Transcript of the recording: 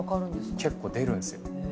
結構出るんですよ。